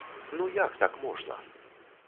Ну як так можна?